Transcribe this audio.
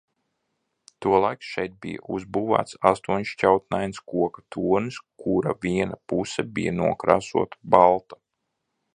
Tolaik šeit bija uzbūvēts astoņšķautnains koka tornis, kura viena puse bija nokrāsota balta.